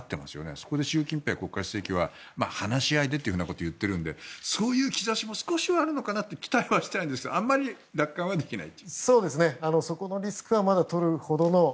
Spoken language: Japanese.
そこで習近平国家主席は話し合いでというふうなことを言っているのでそういう兆しも少しはあるかなと期待はしたいんですがあまり楽観はできないと。